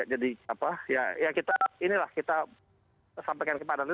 jadi apa ya kita inilah kita sampaikan kepada